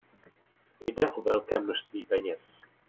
Jde o velké množství peněz.